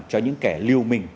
cho những kẻ lưu mình